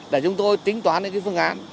để chúng tôi tính toán những phương án